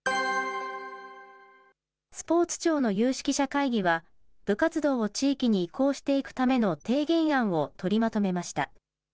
スポーツ庁の有識者会議は、部活動を地域に移行していくための提言案を取りまとめました。